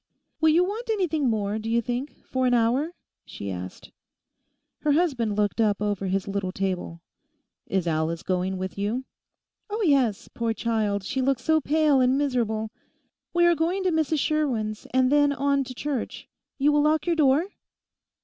'Will you want anything more, do you think, for an hour?' she asked. Her husband looked up over his little table. 'Is Alice going with you?' 'Oh yes; poor child, she looks so pale and miserable. We are going to Mrs Sherwin's, and then on to Church. You will lock your door?